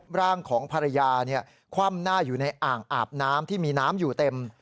ร่างของภรรยาคว่ำหน้าอยู่ในอ่างอาบน้ำที่มีน้ำอยู่เต็ม